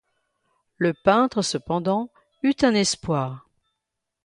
Le peintre, cependant, eut un espoir.